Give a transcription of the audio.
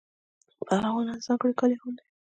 پهلوانان ځانګړي کالي اغوندي.